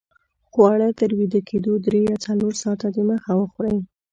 خواړه تر ویده کېدو درې یا څلور ساته دمخه وخورئ